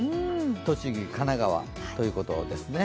栃木、神奈川ということですね。